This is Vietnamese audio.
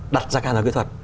đặt ra các hàng rào kỹ thuật